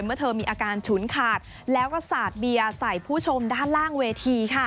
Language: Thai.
เมื่อเธอมีอาการฉุนขาดแล้วก็สาดเบียร์ใส่ผู้ชมด้านล่างเวที